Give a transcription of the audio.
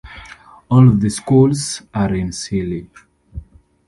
All of the schools are in Sealy.